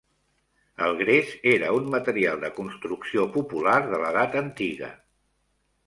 El gres era un material de construcció popular de l'edat antiga.